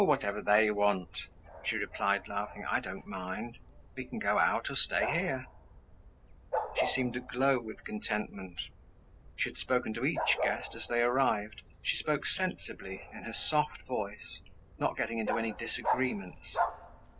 Whatever they want," she replied, laughing. "I don't mind. We can go out or stay here." She seemed aglow with contentment. She had spoken to each guest as they arrived. She spoke sensibly, in her soft voice, not getting into any disagreements.